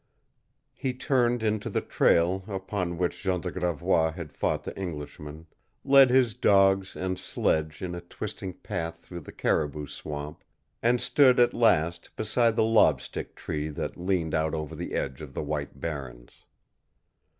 He turned into the trail upon which Jean de Gravois had fought the Englishman, led his dogs and sledge in a twisting path through the caribou swamp, and stood at last beside the lob stick tree that leaned out over the edge of the white barrens.